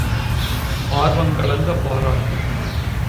ஆர்வங் கலந்த பாராட்டு!